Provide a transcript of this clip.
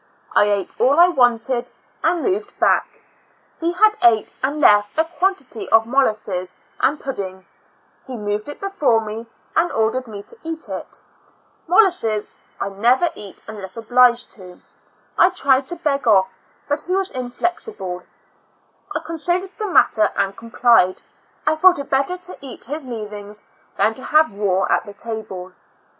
I ate all I wanted and moved back; he had ate and left a quantity of molasses and pud ding; he moved it before me and ordered 74 ^^0 Years and Four Months me to eat it; molasses I never eat unless obliged to; I tried to beg off, but he was inflexible; I considered the matter and complied; I thought it better to eat his leavings than to have war at the table.